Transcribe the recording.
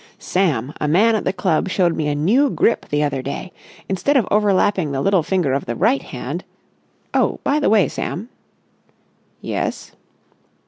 "Sam, a man at the club showed me a new grip the other day. Instead of overlapping the little finger of the right hand.... Oh, by the way, Sam." "Yes?"